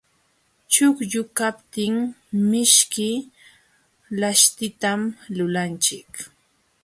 Chuqllu kaptin mishki laśhtitan lulanchik.